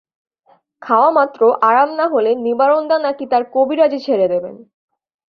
খাওয়ামাত্র আরাম না হলে নিবারণদা নাকি তার কবিরাজী ছেড়ে দেবেন।